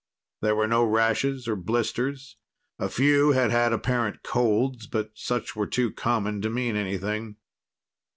There were no rashes nor blisters. A few had had apparent colds, but such were too common to mean anything.